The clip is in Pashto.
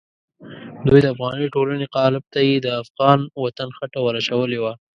دوی د افغاني ټولنې قالب ته یې د افغان وطن خټه ور اچولې وه.